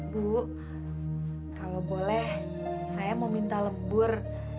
bu kalau boleh saya mau minta lebur